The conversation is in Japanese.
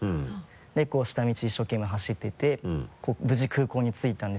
で下道一生懸命走ってて無事空港に着いたんですよ。